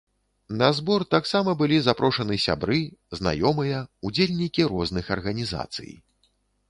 На збор таксама былі запрошаны сябры, знаёмыя, удзельнікі розных арганізацый.